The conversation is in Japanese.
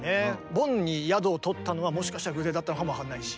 ボンに宿を取ったのはもしかしたら偶然だったのかも分かんないし。